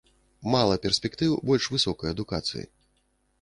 Мала перспектыў больш высокай адукацыі.